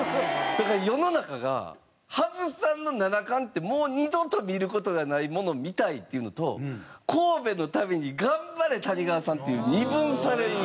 だから世の中が羽生さんの七冠ってもう二度と見る事がないものを見たいっていうのと神戸のために頑張れ谷川さんっていう二分されるんですね。